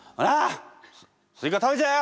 スイカ食べちゃうよ！